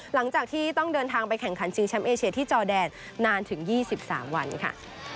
หลังจากที่ต้องเดินทางไปแข่งขันชิงแชมป์เอเชียที่จอแดนนานถึง๒๓วันค่ะ